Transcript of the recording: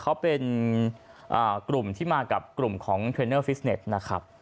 เขาเป็นกลุ่มที่มากับกลุ่มของเทรนเนอร์ฟิสเน็ตนะครับ